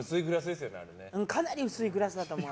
かなり薄いグラスだと思う。